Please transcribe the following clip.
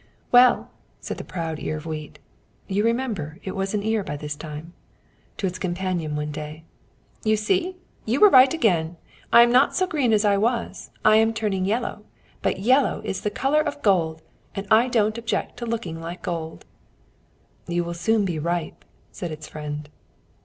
"Well!" said the proud ear of wheat (you remember it was an ear by this time) to its companion one day. "You see, you were right again. I am not so green as I was. I am turning yellow but yellow is the colour of gold, and I don't object to looking like gold." "You will soon be ripe," said its friend.